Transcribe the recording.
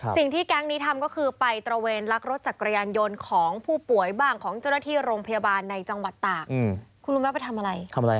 สิ่งที่แก๊งนี้ทำก็คือไปตระเวนลักรถจักรยานยนต์ของผู้ป่วยบ้างของเจ้าหน้าที่โรงพยาบาลในจังหวัดตากคุณรู้ไหมไปทำอะไร